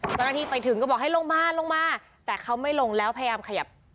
เจ้าหน้าที่ไปถึงก็บอกให้ลงมาลงมาแต่เขาไม่ลงแล้วพยายามขยับ